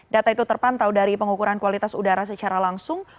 data itu terpantau dari pengukuran kualitas udara secara langsung